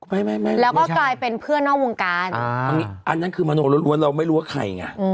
ไม่ไม่แล้วก็กลายเป็นเพื่อนนอกวงการอันนี้อันนั้นคือมโนล้วนเราไม่รู้ว่าใครไง